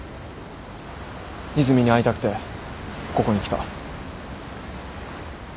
和泉に会いたくてここに来た。